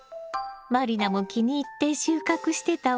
満里奈も気に入って収穫してたわね。